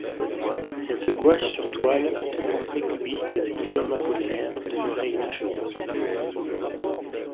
Cette gouache sur toile est un portrait cubiste de Guillaume Apollinaire demeuré inachevé.